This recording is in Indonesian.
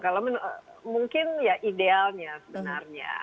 kalau mungkin ya idealnya sebenarnya